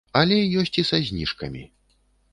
Але ёсць і са зніжкамі.